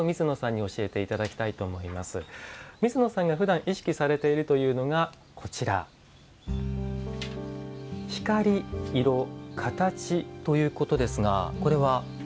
水野さんがふだん意識されているのが光、色、形ということですがこれは？